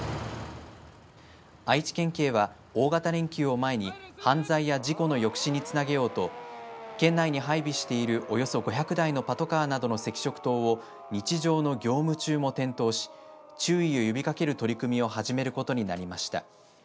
愛知県警は大型連休を前に犯罪や事故の抑止につなげようと県内に配備しているおよそ５００台のパトカーなどの赤色灯を日常の業務中も点灯し注意を呼びかける取り組みを始めることになりました。